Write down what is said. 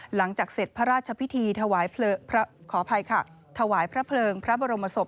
หลังจากเสร็จพระราชพิธีถวายเพลิงพระบรมศพ